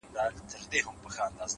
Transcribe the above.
هره ورځ د ځان د بیا لیکلو فرصت دی؛